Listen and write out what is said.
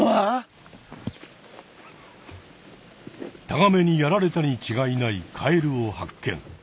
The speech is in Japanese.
タガメにやられたにちがいないカエルを発見。